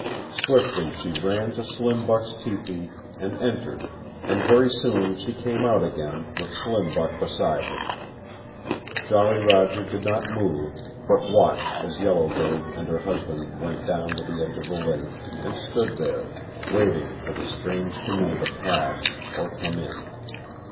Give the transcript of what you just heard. Swiftly she ran to Slim Buck's tepee, and entered, and very soon she came out again with Slim Buck beside her. Jolly Roger did not move, but watched as Yellow Bird and her husband went down to the edge of the lake, and stood there, waiting for the strange canoe to pass or come in.